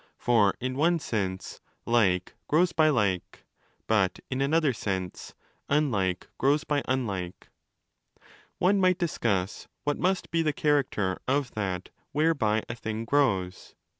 For in one sense ' Like grows by Like', but in another sense ' Unlike grows by Unlike'. One might discuss what must be the character of that 'whereby' a thing grows.